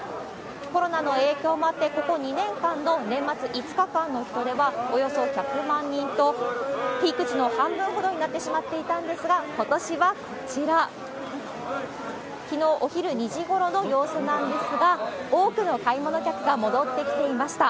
コロナの影響もあって、ここ２年間の年末５日間の人出は、およそ１００万人と、ピーク時の半分ほどになってしまっていたんですが、ことしはこちら、きのうお昼２時ごろの様子なんですが、多くの買い物客が戻ってきていました。